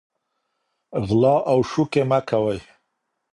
غلا او شوکې مه کوئ.